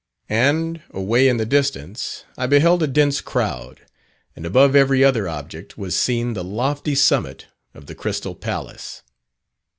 And, away in the distance, I beheld a dense crowd, and above every other object, was seen the lofty summit of the Crystal Palace.